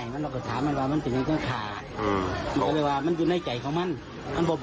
แม่ก็บอกว่าแม่ก็บุคแม่แล้วหลาย